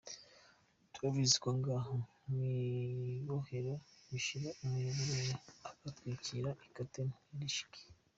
Turabizi ko ngaha mw'ibohero bishika umunyororo akatwandikira ikete ntirishike.